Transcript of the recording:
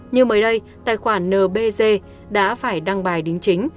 như mới đây tài khoản nbg đã phải đăng bài đính chính